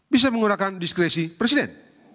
bisa menggunakan diskresi presiden